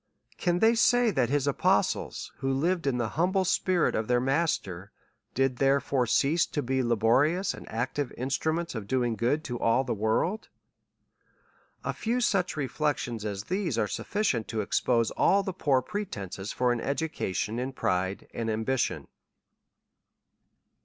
Can they say that his apostles, who lived in the humble spirit of their Master, did therefore cease to be laborious and active instruments of doing good to all the world ? 23S A SERIOUS CALL TO A A few such reflections as these, are sufficient to ex pose all the poor pretences for an education in pride and ambition.